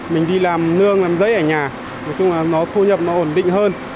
mình đi làm nương làm giấy ở nhà nói chung là nó thu nhập nó ổn định hơn